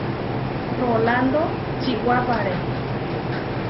Rolándo čiʼwápare.